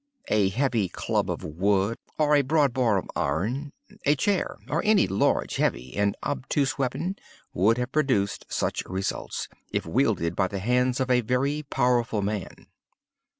A heavy club of wood, or a broad bar of iron—a chair—any large, heavy, and obtuse weapon would have produced such results, if wielded by the hands of a very powerful man.